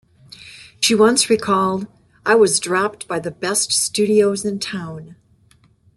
She once recalled, I was dropped by the best studios in town.